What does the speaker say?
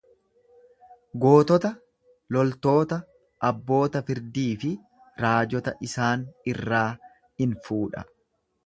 Gootota, loltoota, abboota firdii fi raajota isaan irraa in fuudha.